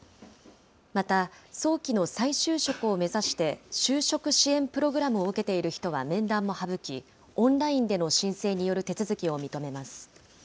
また、早期の再就職を目指して、就職支援プログラムを受けている人は面談も省き、オンラインでの申請による手続きを認めます。